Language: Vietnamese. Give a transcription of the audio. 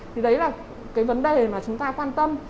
thì đấy là cái vấn đề mà chúng ta quan tâm